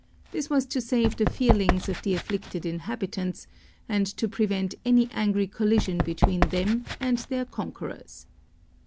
This was to save the feelings of the afflicted inhabitants, and to prevent any angry collision between them and their conquerors.